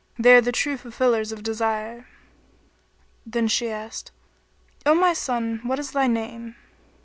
They are the true fulfillers of desires!" Then she asked, "O my son, what is thy name?"